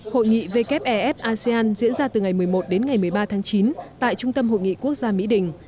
hội nghị wef asean diễn ra từ ngày một mươi một đến ngày một mươi ba tháng chín tại trung tâm hội nghị quốc gia mỹ đình